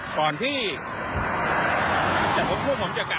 ก่อนที่พวกผมจะกลับ